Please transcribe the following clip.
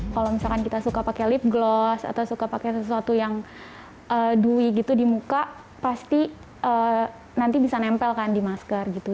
kalau misalkan kita suka pakai lip glos atau suka pakai sesuatu yang dwi gitu di muka pasti nanti bisa nempelkan di masker gitu